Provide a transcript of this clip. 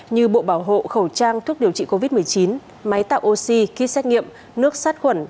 như bộ bảo hộ khẩu trang thuốc điều trị covid một mươi chín máy tạo oxy kit xét nghiệm nước sát khuẩn